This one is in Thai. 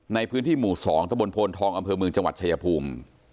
ในพื้นที่หมู่๒ตะบนโพนทองอำเภอเมืองจังหวัดชายภูมิ